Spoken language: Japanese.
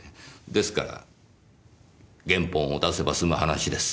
ですから原本を出せば済む話です。